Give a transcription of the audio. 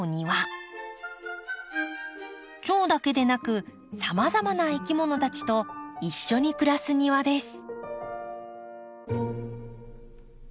チョウだけでなくさまざまないきものたちと一緒に暮らす庭です。